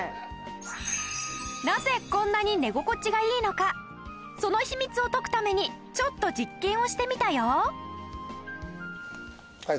なぜこんなに寝心地がいいのかその秘密を解くためにちょっと実験をしてみたよ！